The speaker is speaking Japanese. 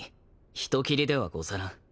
人斬りではござらん。